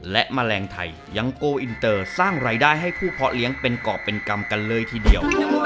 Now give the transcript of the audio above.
และแมลงไทยยังโกอินเตอร์สร้างรายได้ให้ผู้เพาะเลี้ยงเป็นกรอบเป็นกรรมกันเลยทีเดียว